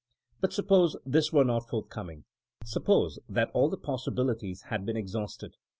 But suppose this were not forthcoming, suppose that all the possibilities had been exhausted.